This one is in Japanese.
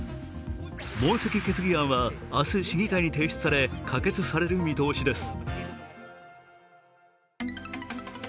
問責決議案は明日、市議会に提出され可決される見通しです。